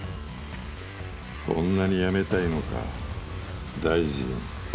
そんなに辞めたいのか大臣。